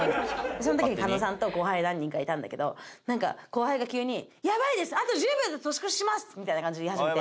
その時に加納さんと後輩何人かいたんだけどなんか後輩が急に「やばいです！あと１０秒で年越しします」みたいな感じで言い始めて。